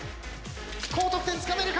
高得点つかめるか？